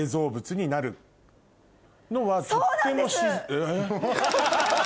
えっ？